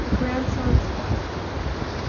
A grandson's quest.